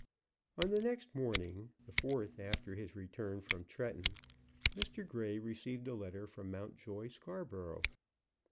On the next morning, the fourth after his return from Tretton, Mr. Grey received a letter from Mountjoy Scarborough.